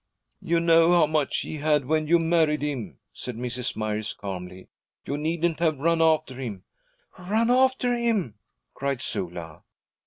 'You knew how much he had when you married him,' said Mrs. Myers calmly. 'You needn't have run after him.' 'Run after him!' cried Sula.